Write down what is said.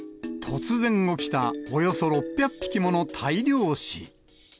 突然起きたおよそ６００匹もの大量死。